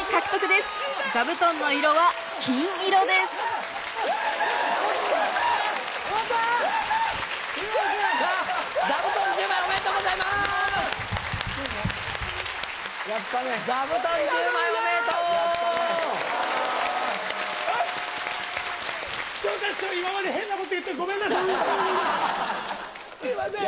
すいません！